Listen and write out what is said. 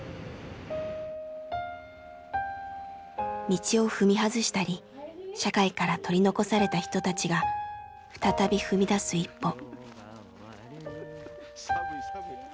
道を踏み外したり社会から取り残された人たちが再び踏み出す一歩。